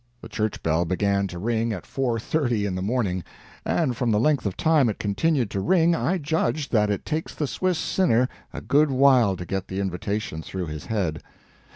The church bell began to ring at four thirty in the morning, and from the length of time it continued to ring I judged that it takes the Swiss sinner a good while to get the invitation through his head.